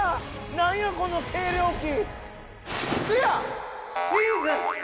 何やこの計量器。